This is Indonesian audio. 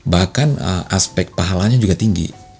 bahkan aspek pahalanya juga tinggi